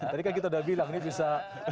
tadi kan kita udah bilang ini bisa